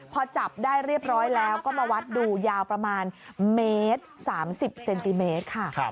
พอจับได้เรียบร้อยแล้วก็มาวัดดูยาวประมาณเมตร๓๐เซนติเมตรค่ะ